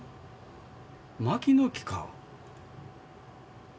マキの木か。